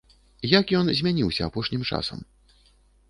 Як ён змяніўся апошнім часам?